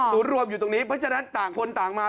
รวมอยู่ตรงนี้เพราะฉะนั้นต่างคนต่างมา